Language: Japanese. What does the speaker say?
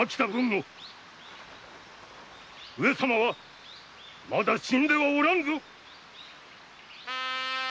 後上様はまだ死んではおらぬぞ。